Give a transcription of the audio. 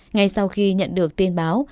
ngay sau khi nhận được tin báo